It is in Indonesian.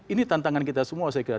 ini tantangan kita semua saya kira